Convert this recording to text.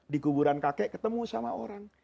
di kuburan kakek ketemu sama orang